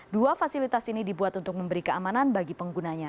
dua fasilitas ini dibuat untuk memberi keamanan bagi penggunanya